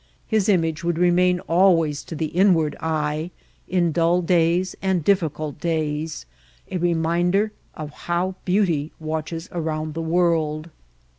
His image would remain al ways to the inward eye in dull days and difficult days, a reminder of how beauty watches around the world.